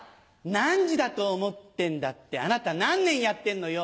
「何時だと思ってんだ」ってあなた何年やってんのよ？